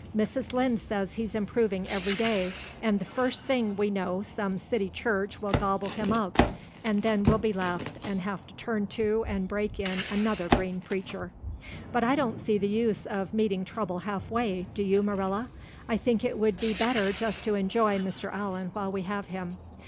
Mrs. Lynde says he is improving every day and the first thing we know some city church will gobble him up and then we'll be left and have to turn to and break in another green preacher. But I don't see the use of meeting trouble halfway, do you, Marilla? I think it would be better just to enjoy Mr. Allan while we have him.